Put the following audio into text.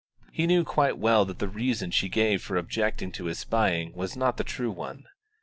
He knew quite well that the reason she gave for objecting to his spying was not the true one.